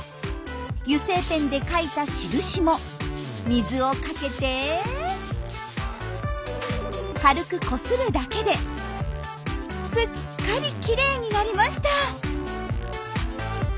油性ペンで書いた印も水をかけて軽くこするだけですっかりきれいになりました。